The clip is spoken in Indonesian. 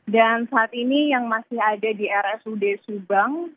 dan saat ini yang masih ada di rsud subang